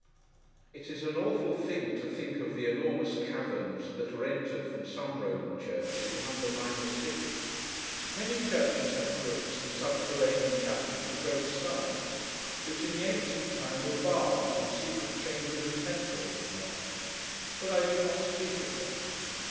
It is an awful thing to think of the enormous caverns that are entered from some Roman churches, and undermine the city. Many churches have crypts and subterranean chapels of great size, which, in the ancient time, were baths, and secret chambers of temples, and what not: but I do not speak of them.